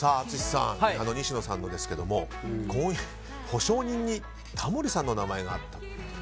淳さん、西野さんですけども婚姻届、保証人にタモリさんの名前があった。